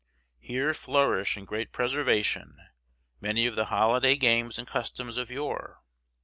Here flourish in great preservation many of the holiday games and customs of yore.